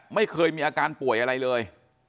ไม่เคยมีอาการป่วยอะไรเลย